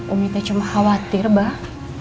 umi tuh cuma khawatir bah